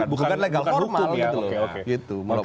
bukan legal formal gitu loh